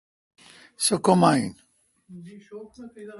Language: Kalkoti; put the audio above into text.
سوکما این۔